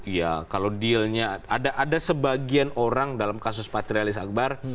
iya kalau dealnya ada sebagian orang dalam kasus patrialis akbar